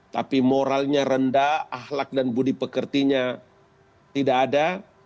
tapi moralnya rendah ahlak dan budi pekertinya tidak ada